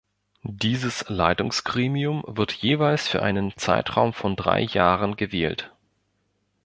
Dieses Leitungsgremium wird jeweils für einen Zeitraum von drei Jahren gewählt.